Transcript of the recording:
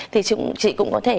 thì chị cũng có thể